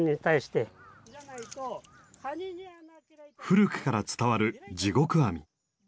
古くから伝わる地獄網。